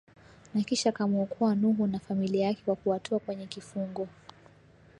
na kisha akamwokoa Nuhu na familia yake kwa kuwatoa Kwenye kifungo